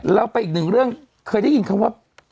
เราไปอีกหนึ่งเรื่องเคยได้ยินคำว่า